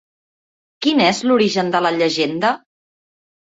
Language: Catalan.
Quin és l'origen de la llegenda?